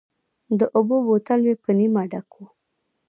د اوبو بوتل مې په نیمه ډک و.